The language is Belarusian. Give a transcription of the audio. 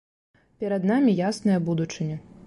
Перад намі ясная будучыня!